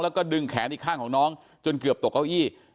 แล้วก็ดึงแขนอีกข้างของน้องจนเกือบตกเก้าอี้